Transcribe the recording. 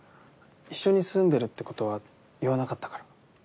一緒に住んでるってことは言わなかったから。